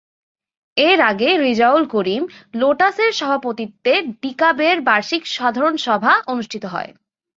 এর আগে রেজাউল করিম লোটাসের সভাপতিত্বে ডিকাবের বার্ষিক সাধারণ সভা অনুষ্ঠিত হয়।